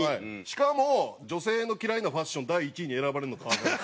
しかも女性の嫌いなファッション第１位に選ばれるの革ジャンです。